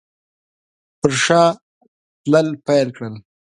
پر شا تلل پیل کړل.